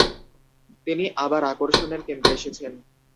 তিনি আবার আকর্ষণের কেন্দ্রে এসেছেন।